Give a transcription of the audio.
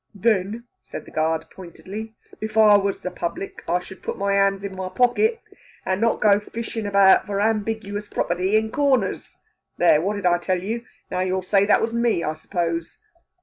"Then," said the guard pointedly, "if I was the public, I should put my hands in my pocket, and not go fishing about for ambiguous property in corners. There! what did I tell you? Now you'll say that was me, I suppose?"